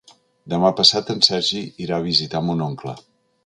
Demà passat en Sergi irà a visitar mon oncle.